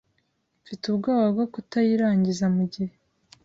Mfite ubwoba bwo kutayirangiza mugihe